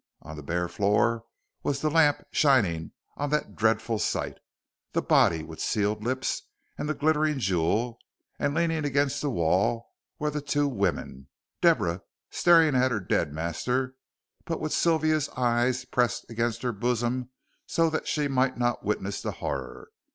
On the bare floor was the lamp shining on that dreadful sight: the body with sealed lips, and the glittering jewel, and leaning against the wall were the two women, Deborah staring at her dead master, but with Sylvia's eyes pressed against her bosom so that she might not witness the horror.